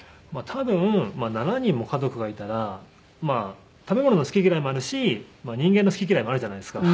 多分７人も家族がいたら食べ物の好き嫌いもあるし人間の好き嫌いもあるじゃないですか。